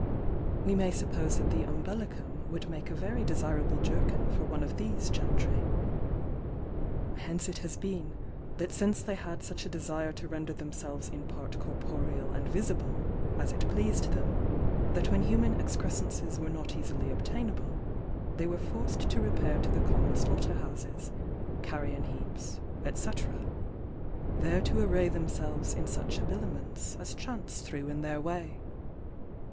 We may suppose that the umbellicum would make a very desirable jerkin for one of these gentry. Hence it has been, that since they had such a desire to rentier themselves in part corporeal and visible, as it pleased them, that when human excrescences were not easily obtainable, they were forced to re pair to the common slaughter houses, carrion heaps, &c. there to array themselves in such habiliments as chance threw in their way.